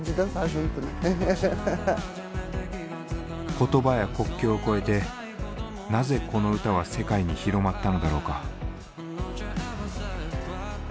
言葉や国境を超えてなぜこの歌は世界に広まったのだろうか？